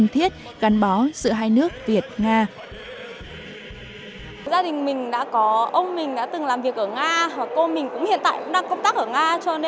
thiết gắn bó sự hai nước việt nga